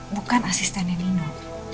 bukan asistennya nino